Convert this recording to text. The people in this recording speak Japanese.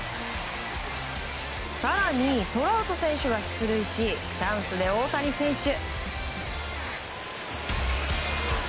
更にトラウト選手が出塁しチャンスで大谷選手。